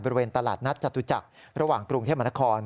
บริเวณตลาดนัดจตุจักรระหว่างกรุงเทพมนคร